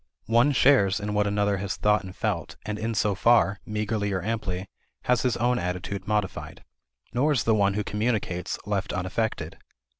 One shares in what another has thought and felt and in so far, meagerly or amply, has his own attitude modified. Nor is the one who communicates left unaffected.